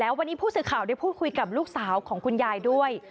วันนี้ผู้สื่อข่าวได้พูดคุยกับลูกสาวของคุณยายด้วย